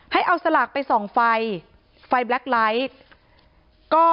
ให้เอาสลากไปส่องไฟไฟแบล็คไลท์